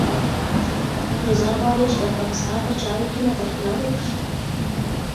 انګریزان غواړي چي د افغانستان په چارو کي مداخله وکړي.